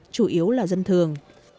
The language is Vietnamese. chủ yếu là dân thường